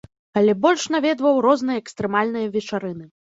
Але больш наведваў розныя экстрэмальныя вечарыны.